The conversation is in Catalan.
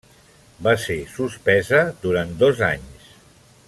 Va ser suspesa durant dos anys.